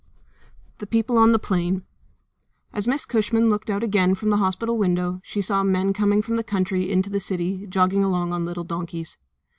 The People on the Plain As Miss Cushman looked out again from the hospital window she saw men coming from the country into the city jogging along on little donkeys.